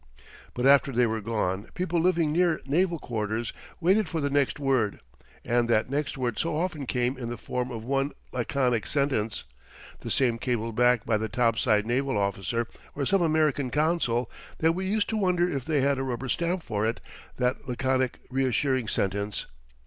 But after they were gone people living near naval quarters waited for the next word; and that next word so often came in the form of one laconic sentence, the same cabled back by the topside naval officer or some American consul, that we used to wonder if they had a rubber stamp for it that laconic, reassuring sentence!